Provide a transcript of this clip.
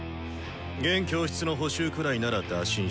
現教室の補修くらいなら打診してやる。